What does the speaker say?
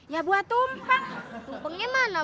ya buah tumpeng